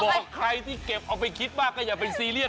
ใครที่เก็บเอาไปคิดมากก็อย่าไปซีเรียส